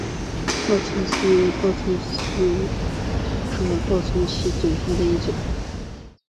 报春茜为茜草科报春茜属下的一个种。